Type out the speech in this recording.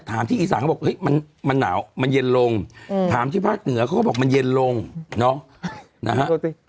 ถามที่อีสานเขาบอกเฮ้ยมันเหนามันเย็นลงเออถามที่ภาพเหนือก็บอกมันเย็นลงเนาะโอ้โหดูสิ